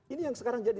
ini yang sekarang jadi